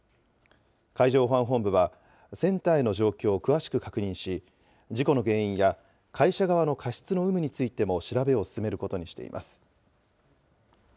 海上保安本部は、船体の状況を詳しく確認し、事故の原因や会社側の過失の有無についても調べを進めることにしています。